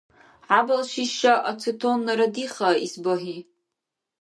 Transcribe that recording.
ХӀябал шиша ацетоннара диха, исбагьи.